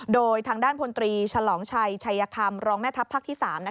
โดยทางด้านพลตรีฉลองชัยชัยคำรองแม่ทัพภาคที่๓